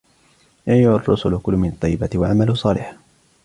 يَأَيُّهَا الرُّسُلُ كُلُواْ مِنَ الطَّيِّبَاتِ وَاعْمَلُوا صَالِحًا